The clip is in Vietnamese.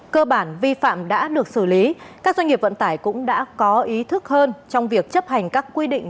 cơ bản vi phạm đã được xử lý các doanh nghiệp vận tải cũng đã có ý thức hơn trong việc chấp hành các quy định